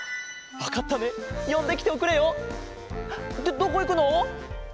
どどこいくの？